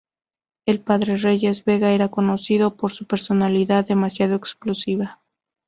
El padre Reyes Vega era conocido por su personalidad demasiado explosiva.